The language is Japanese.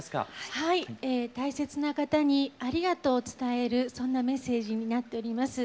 はい大切な方にありがとうを伝えるそんなメッセージになっております。